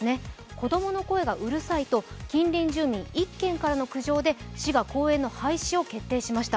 子供の声がうるさいと近隣住民１軒からの苦情で市が公園の廃止を決定しました。